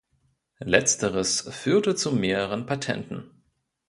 Letzteres führte zu mehreren Patenten.